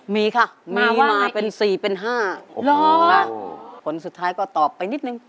มีค่ะมีมาเป็น๔เป็น๕ค่ะผลสุดท้ายก็ตอบไปนิดนึง